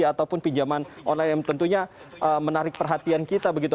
ataupun pinjaman online yang tentunya menarik perhatian kita begitu